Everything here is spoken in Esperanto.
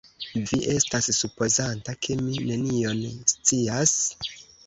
Vi estas supozanta, ke mi nenion scias?